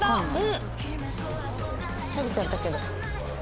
食べちゃったけど。